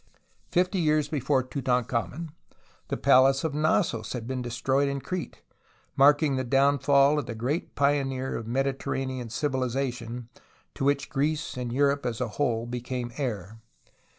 Fifty years before Tutankhamen, the Palace of Knossos had been destroyed in Crete, marking the downfall of the great pioneer of Mediterranean civilization ^0 TUTANKHAMEN to which Greece and Europe as a whole became heir.